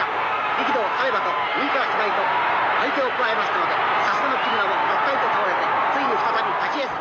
力道さればと右から左と張り手を加えましたのでさすがの木村もばったりと倒れてついに再び立ちえず。